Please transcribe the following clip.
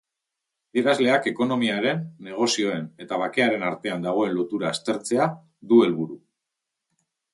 Adierazleak ekonomiaren, negozioen eta bakearen artean dagoen lotura aztertzea du helburu.